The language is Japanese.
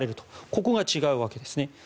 ここが違うわけですね。